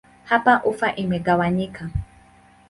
Hapa ufa imegawanyika.